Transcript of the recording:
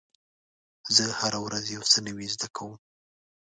زه هره ورځ یو څه نوی زده کوم.